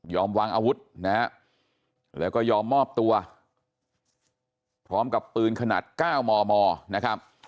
วางอาวุธนะฮะแล้วก็ยอมมอบตัวพร้อมกับปืนขนาด๙มมนะครับ